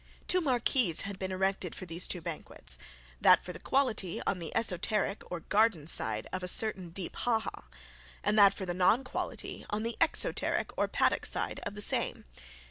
Two marquees had been erected for these two banquets, that for the quality on the esoteric or garden side of a certain deep ha ha; and that for the non quality on the exoteric or paddock side of the same.